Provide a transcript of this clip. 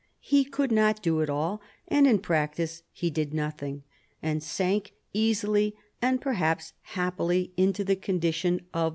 lie could not do it all, and in practice he did nothing, and sank easily, perhaps happily, into the condition of a roi faineomt.